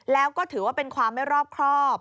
แล้วก็ถือว่าเป็นความไม่รอบครอบ